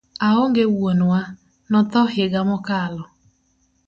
Aonge wuonwa, notho higa mokalo